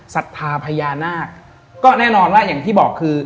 ศรัทธาพญานาคก็แน่นอนว่าอย่างที่บอกคือ